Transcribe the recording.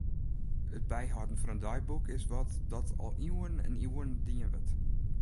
It byhâlden fan in deiboek is wat dat al iuwen en iuwen dien wurdt.